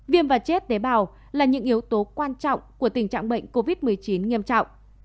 viêm và chết tế bào là những yếu tố quan trọng của tình trạng bệnh covid một mươi chín nghiêm trọng